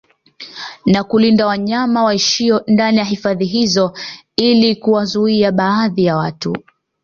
Na kulinda wanyama waishio ndani ya hifadhi hizo ili kuwazuia baadhi ya watu